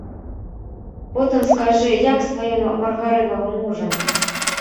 Потым скажы, як з тваім маргарынавым мужам?